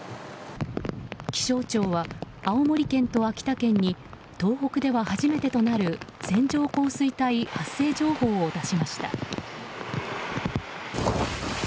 気象庁は青森県と秋田県に東北では初めてとなる線状降水帯発生情報を出しました。